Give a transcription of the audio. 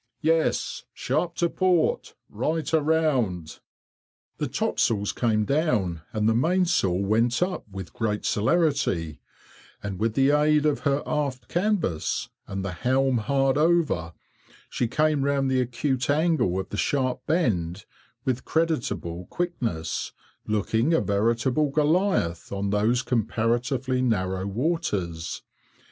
"Yes, sharp to port; right around!" The topsails came down, and the mainsail went up with great celerity, and with the aid of her aft canvas, and the helm hard over, she came round the acute angle of the sharp bend with creditable quickness, looking a veritable Goliath on those comparatively narrow waters.